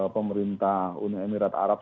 pemerintah uni emirat arab